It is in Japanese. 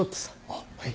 あっはい。